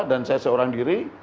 dan saya seorang diri